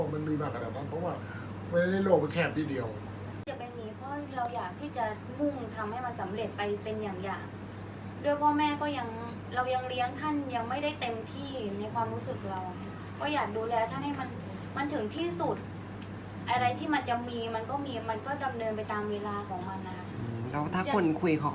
อันไหนที่มันไม่จริงแล้วอาจารย์อยากพูด